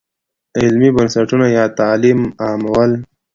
علمي بنسټونه یا تعلیم عامول.